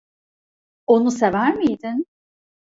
Onu sever miydin?